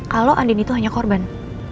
kalau andini itu hanya korban